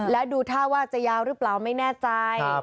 แล้วดูท่าว่าจะยาวหรือเปล่าไม่แน่ใจ